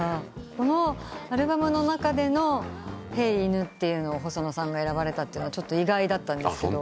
このアルバムの中での『Ｈｅｙ！犬』を細野さんが選ばれたというのはちょっと意外だったんですけど。